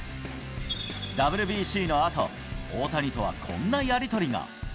ＷＢＣのあと、大谷とはこんなやり取りが。